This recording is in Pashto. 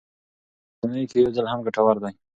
په اونۍ کې یو ځل هم ګټور دی.